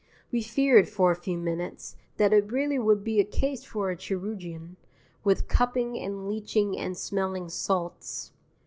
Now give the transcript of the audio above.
We feared, for a few minutes, that it really would be a case for a chirurgeon, with cupping and leeching and smelling salts.